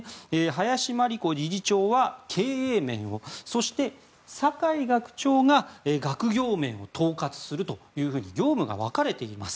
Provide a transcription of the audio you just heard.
林真理子理事長は経営面をそして酒井学長が学業面を統括するというふうに業務が分かれています。